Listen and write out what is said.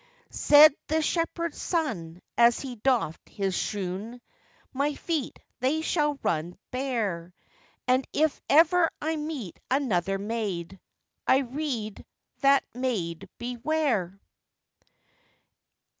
Said the shepherd's son, as he doft his shoon, 'My feet they shall run bare, And if ever I meet another maid, I rede that maid beware.